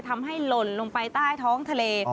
ทำให้หล่นลงไปใต้ท้องทะเล